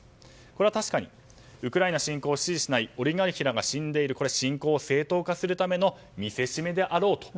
確かにウクライナ侵攻を支持しないオリガルヒたちが死んでいるこれは侵攻を正当化するための見せしめであろうと。